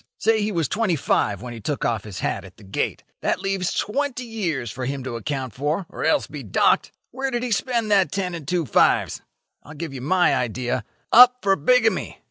Say he was twenty five when he took off his hat at the gate. That leaves twenty years for him to account for, or else be docked. Where did he spend that ten and two fives? I'll give you my idea. Up for bigamy.